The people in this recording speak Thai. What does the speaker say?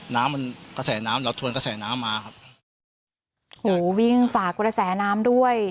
น้ำมันกระแสน้ำเราทวนกระแสน้ำมาครับโอ้โหวิ่งฝากระแสน้ำด้วย